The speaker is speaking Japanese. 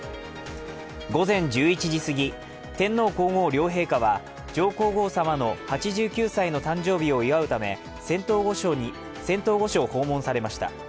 午前１１時すぎ、天皇皇后両陛下は上皇后さまの８９歳の誕生日を祝うため仙洞御所を訪問されました。